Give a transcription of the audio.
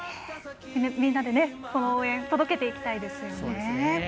みんなでその応援届けていきたいですよね。